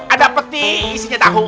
ada peti isinya tahu